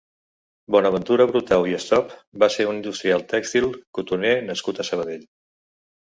Bonaventura Brutau i Estop va ser un industrial tèxtil cotoner nascut a Sabadell.